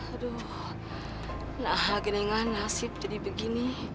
aduh genengan nasib jadi begini